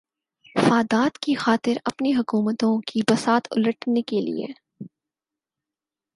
فادات کی خاطر اپنی حکومتوں کی بساط الٹنے کیلئے